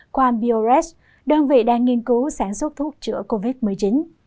quam biores đơn vị đang nghiên cứu sản xuất thuốc chữa covid một mươi chín